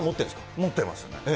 持ってますね。